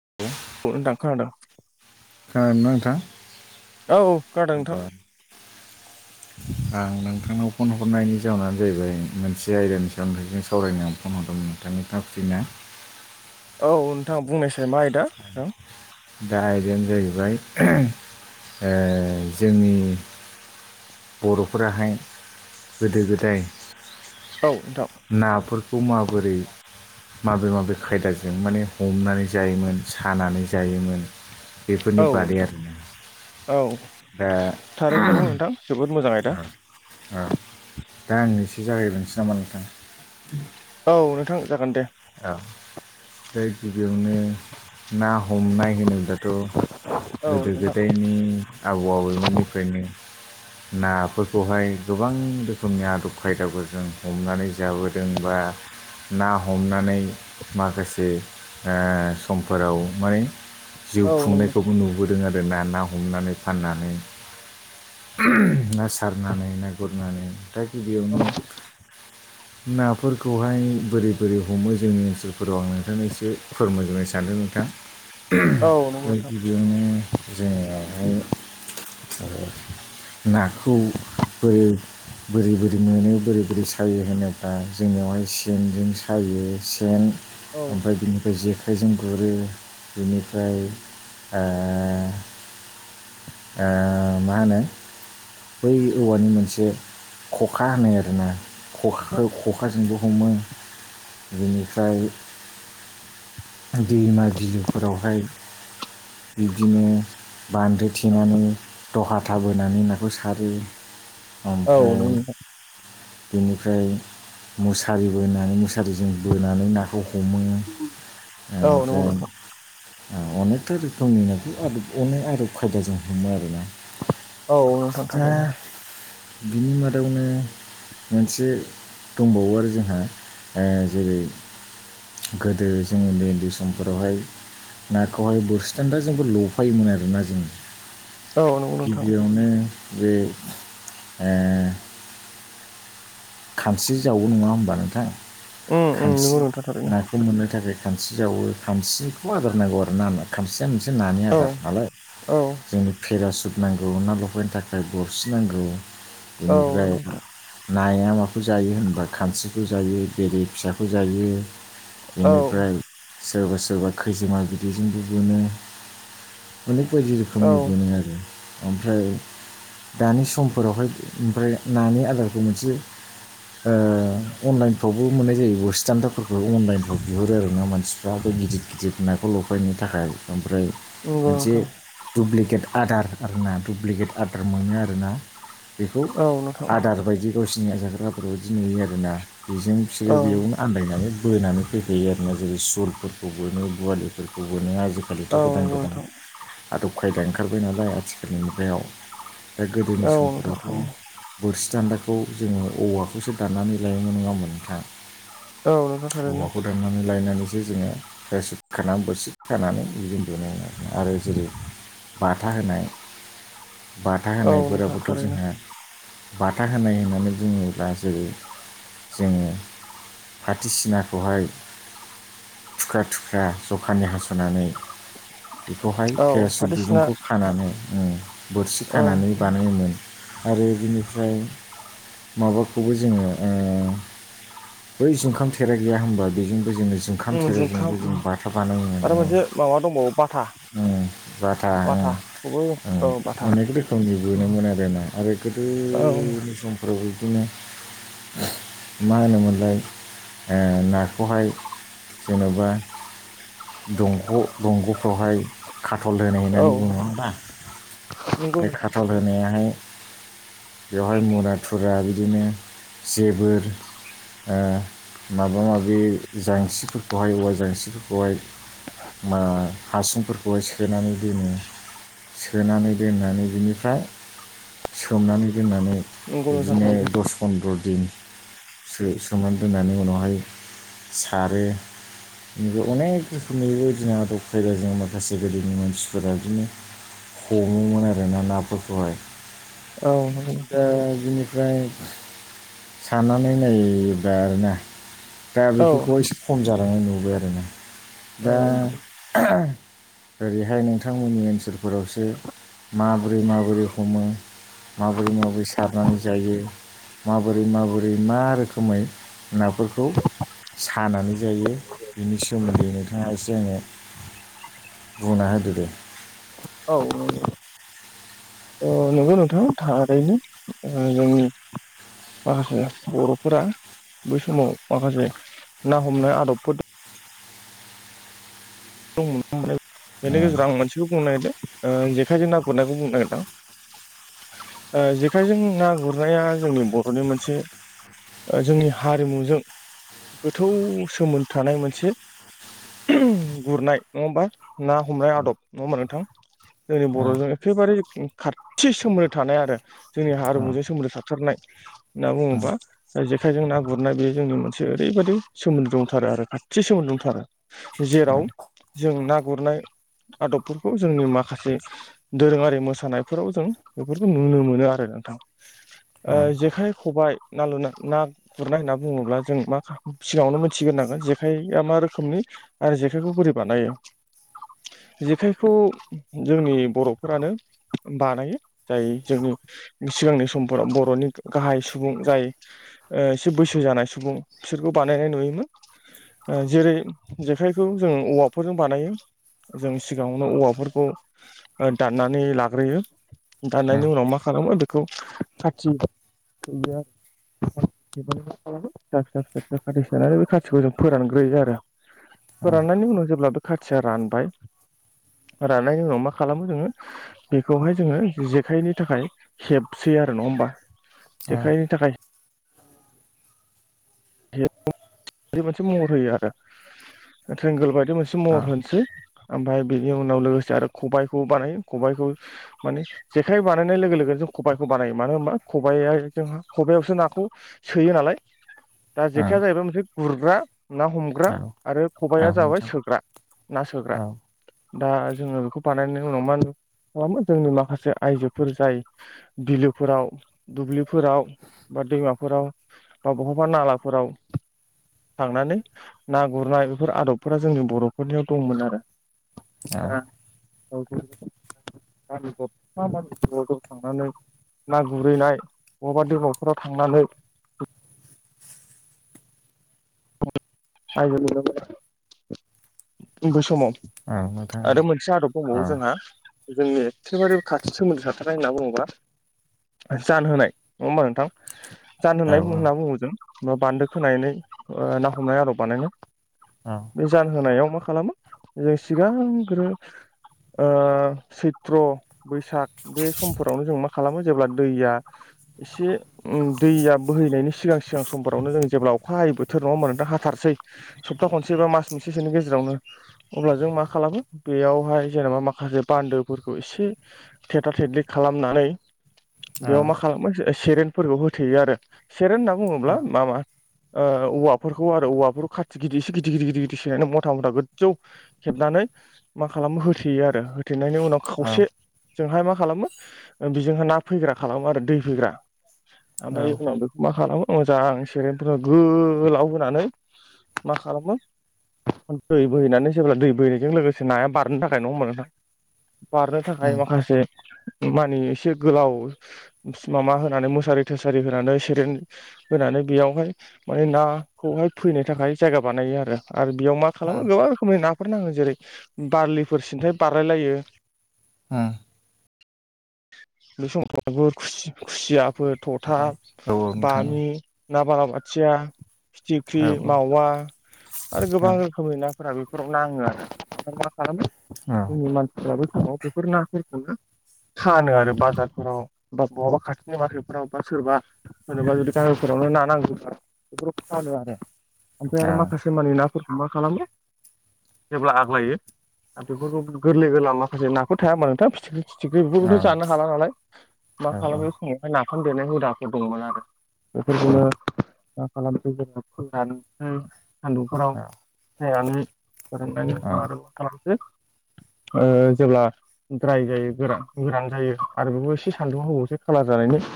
[inaudible] औ नोंथां खोनादों खोनादोंना नोंथां? औ औ खोनादों नोंथां [inaudible] आं नोंथांनाव फन हरनायनि जाउनानो जाहैबाय मोनसे आयदानि सायाव नोंथांजों सावरायनो आं फन हरदोंमोन नोंथांनि थाङा फ्रिना? औ नोंथां बुंनायसाय मा आयदा नोंथां। दा आयदायानो जाहैबाय ओ जोंनि बर'फोराहाय गोदो गोदाय औ नोंथां। नाफोरखौ माबोरै? माबे माबे खायदाजों माने हमनानै जायोमोन सानानै। जायोमोन औ नोंथां औ बेफोरनि बादै नोंथां आरो ना। औ थारैनो नंगौ नोंथां जोबोद मोजां आयदा। औ दा आंनो एसे जागायग्रोनोसै नामा नोंथां? औ नोंथां जागोन दे। औ। फाय गिबियावनो ना हमनाय होनोब्ला थ' औ गोदो नोंथां गोदायनि आबौ आबैमोननिफ्रायनो नाफोरखौहाय गोबां रोखोमनि आदब खायदाफोरजों हमनानै जाबोदों बा ना हमनानै माखासे आ समफोराव हाय जिउ औ नंगौ नोंथां खुंनायखौबो नुबोदों आरो ना। ना हमनानै फाननानै। ना सारनानै ना गुरनानै। दा गिबियावनो नाफोरखौहाय बोरै बोरै हमो जोंनि ओनसोलफोराव आं नोंथांनो एसे फोरमायग्रोनो सानदों नोंथां। औ नंगौ आमफाय नोंथां गिबियावनो जोंनियावहाय नाखौ बोरै बोरै बोरै मोनो बोरै बोरै सायो होनोब्ला, जोंनियावहाय सेनजों सायो सेन औ ओमफ्राय बिनि बे जेखाइजों गुरो बिनिफ्राय आ ओ मा होनो बै औवानि मोनसे खखा होनो आरोना खखाखौ खखाजोंबो हमो। बेनिफ्राय दैमा बिलोफोरावहाय बिब्दिनो बान्दो थेनानै दहाथा बोनानै नाखौ सारो औ ओमफ्राय नंगौ नोंथां बेनिफ्राय मुसारि बोनानै मुसारिजों बोनानै ना खौ हमो औ नंगौ ओमफ्राय नोंथां ओ अनेकथा रोखोमनि नाखौ अने अनेक आदब खायदाजों हमो आरोना। औ नोंथां दा थारैनो बिनि मादावनो मोनसे दंबावो आरो जोंहा ओ जेरै गोदो जों उन्दै उन्दै समफोरावहाय नाखौहाय बोरसि दान्दा जोंबो लफायोमोन आर ना जों। औ नंगौ नोंथां गिबियावनो बे ओ खानस्रि जावौ नङा होनोमबा नोंथां उम उम नंगौ खानस्रि नोंथां थारैनो ना खौ मोननो थाखाय खानस्रि जावो खानस्रिखौ आदार नांगौ आर ना मा खामसिया मोनसे नानि औ आदार नालाय औ जोंनि पेरासुट नांगौ ना लफायनो थाखाय बरसि नांगौ औ नंगौ बेनिफ्राय नोंथां नाया माखौ जायो होनबा खानस्रिखौ जायो बेरे फिसाखौ जायो। औ बेनिफ्राय सोरबा सोरबा खैजोमा बिदैजोंबो बोनो। अनेक बायदि रोखोमनि मोनो आरो। ओमफ्राय दानि समफोरावहाय ओमफ्राय नानि आदारखौ मोनसे ओ अनलाइन फ्रावबो मोननाय जायो बोरसि दानदाफोरखौ अनलाइनफ्राव बिहरो आरो ना मानसिफ्रा बे गिदिर गिदिर नाखौ लफायनो थाखाय। ओमफ्राय नंगौ मोनसे नोंथां दुप्लिकेट आदार आर ना दुप्लिकेट आदार मोनो आरोना बेखौ औ नोंथां आदार बायदि गावसिोरनि आ जाग्रा आदार बायदि नुयो आरो। जोङा बेजों फोरो औ बेयावनो आन्दायनानै बोनानै फैखायो आरोना जेरै सुलफोरखौ बोनो बवालिफोरखौ बोनो आजि आथिखालिथ' औ गोदान नंगौ गोदान नोंथां आदब खायदा ओंखारबाय नालाय आथिखालनि मुगायाव दा गोदोनि औ नोंथां समफोरावथ' थारैनो बोरसि दान्दाखौ जोङो औवाखौसो दाननानै लायोमोन नङाम मोनोंथां औ नोंथां थारैनो औवाखौ दाननानै लायनानैसो जोङो सि खानानै बोरसि खानानै बिदि दुनो मोन आरो आरो जेरै बाथा होनाय बाथा औ नोंथां होनायफोराबोथ' थारैनो जोंहा बाथा होनाय होननानै बुङोब्ला दा जेरै जोङो फाथिसिनाखौहाय थुख्रा थुख्रा जखानि हास'नानै औ फाथो सिना [unintelligible] खानानै बोरसि औ खानानै बानायोमोन आरो बिनिफ्राय माबाखौबो जोङो बै जुखाम थेरा गैया होनबा बेजोंबो जोङो ओंखाम उम जुखाम सेराजोंबो जों उम बाथा बानाय आरो मोनो मोनसे माबा दंबावो बाथा बाथा बाथाखौबो औ बाथा अनेक रोखोमनि बोननोमोन आरोना आरो औ गोदोनि समफ्रावाबो बिदिनो मा होनोमोनलाय नाखौहाय जेन'बा दंग' दंग'फ्रावहाय खाटल होनाय औ होननानै बुङो हबा नंगौ बे नोंथां खाथल होनायाहाय बेवहाय मुरा थुरा बिदिनो जेबोर ओ माबा माबि जांसिरिफोरखौहाय औवा जांसिरिफोरखौहाय मा हासुंफोरखौ बेहाय सोनानै दोनो सोनानै दोननानै बिनिफ्राय सोमनानै दोननानै नंगौ नोंथां बिदिनो थारैनो दस सन्द्र दिन [unintelligible] सोमनानै दोननानै उनावहाय सारो [unintelligible] हमोमोन आरोना नाफोरखौहाय औ नंगौ नोंथां दा बिनिफ्राय साननानै नायबाय आरोना दा बेफोरखौ एसे खम जालांनाय नुुबाय आरो ना दा औ ओरैहाय नोंथांमोननि ओनसोलफोरावसो माबोरै माबोरै हमो माबोरै माबोरै सारनानै जायो माबोरै माबोरै मा रोखोमै नाफोरखौ सानानै जायो बिनि सोमोन्दै नोंथाङा एसे आङो बुंना होदो दे औ ओ नंगौ नोंथां थारैनो जोंनि माखासे बर'फोरा बै समाव माखासे ना हमनाय आदबफोर द दं [unintelligible] बेनि गेजेराव आं मोनसेखौ बुंनो नागिरदों जेखायजों ना गुरनायखौ बुंनो नागिरदोंं जेखायजों ना गुरनाया जोंनि बर'नि मोनसे जोंनि हारिमुजों गोथौ सोमोन्दो थानाय मोनसे गुरनाय नङा होमबा ना हमनाय औ आदब नङा होमबा नोंथां जोंनि औ बर'जों एखेबारे खाथि सोमोन्दो थानाय आरो जोंनि ओम ओम हारिमुजों सोमोन्दो थाथारनाय ओम [unintelligible] जेखायजों ना गुरनाय बे जोंनि मोनसे ओरैबायाददि सोमोन्दो दंथारो आरो खाथि सोमोन्दो दंथारो जेराव ओम जों ना गुरनाय आदबफोरखौ जोंनि माखासे दोरोङारि मोसानायफोराव जों बेफोरखौ नुनो मोनो आरो नोंथां। ओ ओम जेखाइ, खबाइ ना लुनो ना गुरनाय होनना बुङोब्ला जों मा सिगाङावनो मोनथिग्रोनांगोन जेखाइआ मा रोखोमनि आरो जेखाइखौ बोरै बानायो। जेखाइखौ जोंनि बर'फोरानो बानायो जाय जोंनि सिगांनि समफोराव बर'नि गाहाय सुबुं जाय ओ एसे बैसो जानाय सुबुं बिसोरखौ बानायनाय नुयोमोन ओ जेरै जेखाइखौ जों औवा फोरजों बानायो जों सिगाङावनो औवाफोरखौ ओ दाननानै लाग्रोयो। औ ओम दाननायनि उनाव मा खालामो बेखौ खाथि होयो आरो [unintelligible] [unintelligible] बे फिसा फिसा फिसा फिसा खाथि सानै बे खाथिखौ जों फोरानग्रोयो आरो [unintelligible] औ राननायनि उनाव जेब्ला बे खाथिया रानबाय राननायनि उनाव मा खालामो जोङो बेखौहाय जोङो जेखाइनि थाखाय हेबसै आरो नङा होमबा जेखायनि थाखाय मोनसे महर होयो आरो ट्रेंगोल बायदि मोनसे महर होनोसै ओमफ्राय बेनि उनाव लोगोसे आरो खबायखौ बानायो खबाइखौ माने [unintelligible] जेखाइ बानायनाय लोगो लोगोन जों खबाइखौ बानायो मानो होनबा खबाइआ जों खबायावसो नाखौ सोयो नालाय दा जेखाया जाहैबाय मोनसे गुरग्रा ना हमग्रा ग्रा आरो खबाइआ जाबाय नोंथां सोग्रा ना सोग्रा औ दा जोङो बेखौ बानायनायनि उनाव मा खालामो जोंनि माखासे आइजोफोर जाय बिलोफोराव दुब्लिफोराव बा दैमाफोराव बा बहाबा नाला फोराव थांनानै ना गुरनाय बेफोर आदबफोरा जोंनि बरफोरनियाव दंमोन आरो औ दा औ [unintelligible] [unintelligible] ना गुरैनाय बबावबा दैबावफोराव थांनानै बै समाव औ नोंथां औ आरो मोनसे आदब [unintelligible] समाव जोंहा जोंनि एखेबारे खाथि सोमोन्दो थाथारनाय होनना बुङोब्ला जान होनाय नङा होमबा नोंथां। जान औ होननाय होनना बुङो जों बान्दो खोनायानै ओ ना हमनाय आरो बानायनाय औ बे जानहोनायाव मा खालामो जों सिगांग्रो ओ सैत्र बैसाग बे समफोरावनो जों मा खालामो जेब्ला दैया एसे उम दैया बोहैनायनि सिगां सिगां समफोरावनो जों जेब्ला अखा हायै बोथोर नङा [unintelligible] हाथारसै सप्ता खनसे बा मास मोनसेसोनि गेजेरावनो अब्ला जों मा खालामो बेयावहाय जेनेबा माखासे बान्दोफोरखौ एसे थेथला थेथलि खालामनानै औ बेयाव मा खालामो सेरेनफोरखौ होथेयो आरो सेरेन होनना बुङोब्ला मा मा औवाफोरखौ आरो औवाफोरखौ खाथि गिदिर एसे गिदिर गिदिर गिदिर गिदिर सैनानै मथा मथा गोजौ [unintelligible] हेबनानै मा खालामो होथेयो आरो होथेनायनि उनाव खावसेजोंहाय मा खालामो बिजोंहा ना फैग्रा खालामो आरो दै फैग्रा। ओमफ्राय उनाव बेखौ मा खालामो मोजां सेरेनफोरनो गोलाव होनानै- मा खालामो दै बोहैनानै जेब्ला दै बोहैनायजों लोगोसे नाया बारनो थाखाय नङा होमबा नोंथां। बारनो ओम थाखाय ओम माखासे मानि एसे गोलाव माबा होनानै मुसारि थोसारि होनानै सेरेन होनानै बेयावहाय माने नाखौहाय फैनो थाखाय जायगा बानायो आरो बेयाव मा खालामो गोबां रोखोमनि ना फोर नाङो जेरै बारलिफोर सिन्थाय बारलायलायो। उम [unintelligible] फोर थथा औ औ औ नोंथां बामि ना बाला बाथिया फिटि थिख्रि औ मावा आरो औ गोबां रोखोमनि नाफोरा बेफोराव नाङो आरो मा खालामो औ जोंनि मानसिफ्राबो थ' बेफोर नाफोरखौनो फानो आरो बाजारफोराव बा बहाबा खाथिनि मारकेटफोराव बा सोरबा [unintelligible] ओमफ्राय आरो माखासे मानि नाफोरखौ मा खालामो जेब्ला आग्लायो आरो बेफोरखौ गोरलै गोरलाम माखासे नाफोर थाया होमबा नोंथां फिथिख्रि फिथिख्रि बेफोरखौथ' जानो हाला नालाय मा औ खालामो बे समावहाय नाफाम देनाय हुदाफोर दंमोन आरो बेफोरखौनो मा खालामसै जोङो फोरानसै सान्दुंफोराव फानो फोरोंनायनि औ आरो मा खालामसै ओ जेब्ला द्राय जायो गोरा-गोरान जायों आरो एखौ एसे सानदुंआव होबावसै खालार जानायनि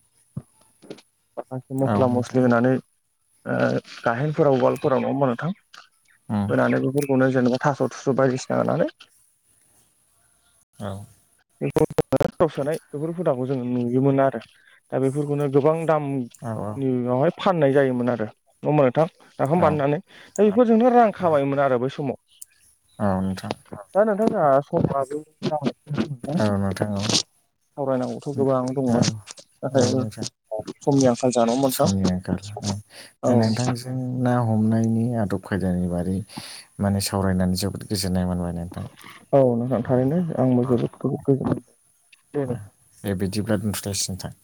[inaudible] माखासे औ मस्ला नोंथां मस्लि होनानै ओ गाहेनफोराव उवालफोराव नङा होमबा नोंथां उम होनानै बेफोर खौनो जेनेबा थास थुस बायदिसिना होनानै औ आव सोनाय बेफोर हुदाखौ जोङो नुयोमोन आरो ओ बेफोरखौनो गोबां औ दामनि उनावहाय फानाय जायोमोन आरो नङा होमबा नोंथां औ नाफाम बानायनानै दा बेफोरजोंनो रां खाबायोमोन आरो बै समाव औ नोंथां [unintelligible] औ नोंथां औ सावरायनांगौथ' गोबां औ दंमोन। औ नाथाय नोंथां समनि आंखाल जोंहा नङा होमबा नोंथां। औ जों ना हमनायनि आदब खायदानि बारै माने सावरायनानै जोबोद गोजोननाय मोनबाय नोंथां। औ नोंथां थारैनो आंबो अ जोबोद गोजोनबाय दे नोंथां दे बेयदिबा [unintelligible]